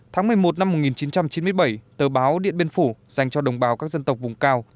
tháng một mươi một năm một nghìn chín trăm chín mươi bảy tờ báo điện biên phủ dành cho đồng bào các dân tộc vùng cao